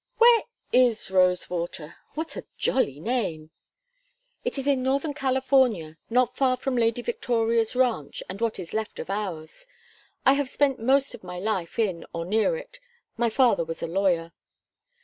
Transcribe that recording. "Where is Rosewater? What a jolly name!" "It is in northern California, not far from Lady Victoria's ranch and what is left of ours. I have spent most of my life in or near it my father was a lawyer."